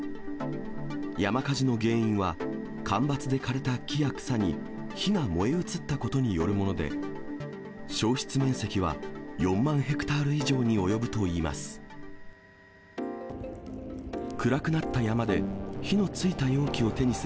山火事の原因は、干ばつで枯れた木や草に、火が燃え移ったことによるもので、焼失面積は４万ヘクタール以上に及ぶといいます。